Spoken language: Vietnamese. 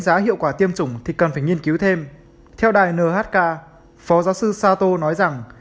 đánh giá hiệu quả tiêm chủng thì cần phải nghiên cứu thêm theo đài nhk phó giáo sư sato nói rằng